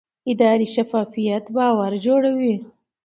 اداري شفافیت باور جوړوي